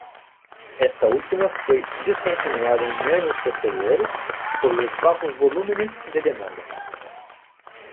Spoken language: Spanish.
Esta última fue descontinuada en años posteriores por los bajos volúmenes de demanda.